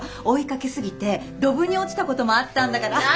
追いかけすぎてドブに落ちたこともあったんだから。